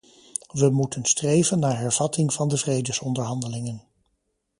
We moeten streven naar hervatting van de vredesonderhandelingen.